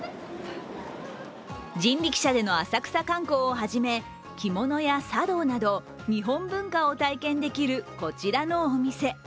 人力車での浅草観光をはじめ着物や茶道など日本文化を体験できるこちらのお店。